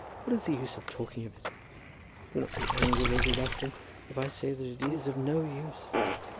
What is the use of talking of it? Do not be angry, Lady Lufton, if I say that it is of no use."